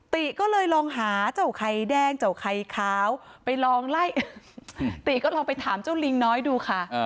ติก็เลยลองหาเจ้าไข่แดงเจ้าไข่ขาวไปลองไล่ติก็ลองไปถามเจ้าลิงน้อยดูค่ะ